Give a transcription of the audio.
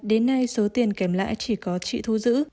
đến nay số tiền kèm lãi chỉ có chị thu giữ